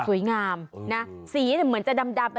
สวยงามนะสีเหมือนจะดำ